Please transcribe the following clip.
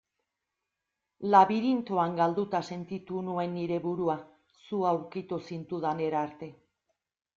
Labirintoan galduta sentitu nuen nire burua zu aurkitu zintudanera arte.